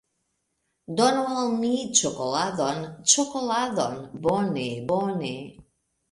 Donu al mi ĉokoladon. Ĉokoladon. Bone. Bone.